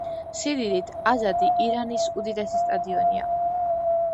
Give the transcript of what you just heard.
სიდიდით, აზადი ირანის უდიდესი სტადიონია.